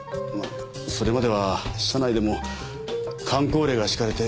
それまでは社内でも箝口令が敷かれて。